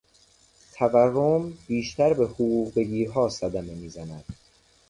تورم، بیشتر به حقوق بگیرها صدمه میزند.